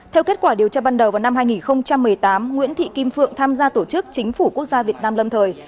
theo kết quả điều tra ban đầu vào năm hai nghìn một mươi tám nguyễn thị kim phượng tham gia tổ chức chính phủ quốc gia việt nam lâm thời